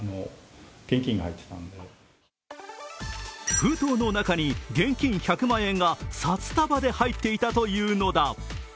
封筒の中に現金１００万円が札束で入っていたというのだ。